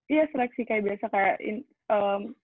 iya seleksi kayak biasa kayak